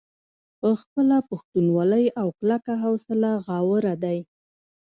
پۀ خپله پښتونولۍ او کلکه حوصله غاوره دے ۔